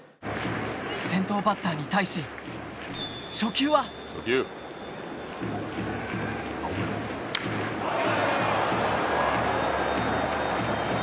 先頭バッターに対しうわぁ！